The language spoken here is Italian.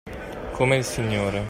Come il signore.